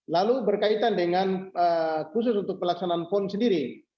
lalu berkaitan dengan khusus untuk pelaksanaan pon sendiri